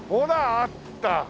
あった。